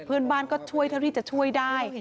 เพื่อนบ้านก็ช่วยเท่าที่จะช่วยได้